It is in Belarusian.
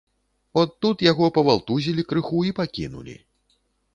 От тут яго павалтузілі крыху і пакінулі.